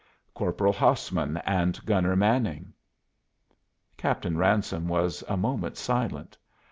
"Corporal Hassman and Gunner Manning." Captain Ransome was a moment silent.